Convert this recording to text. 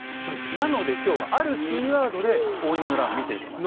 なので今日はあるキーワードで応仁の乱見ていきます。